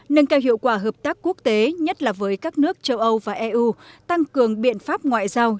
nâng cao hiệu quả hợp tác quốc tế nhất là với các nước châu âu và eu tăng cường biện pháp ngoại giao